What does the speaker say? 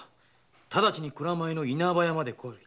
直ちに蔵前の稲葉屋まで来い」